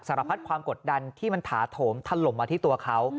พัดความกดดันที่มันถาโถมถล่มมาที่ตัวเขา